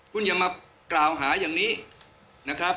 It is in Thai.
คุณยังมากล่าวหาอย่างนี้นะครับ